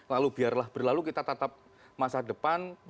lalu biarlah berlalu kita tetap masa depan